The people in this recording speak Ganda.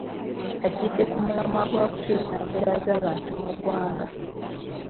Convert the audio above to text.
Ajjidde ku mulamwa gwa kukyusa mbeera z'abantu mu ggwanga.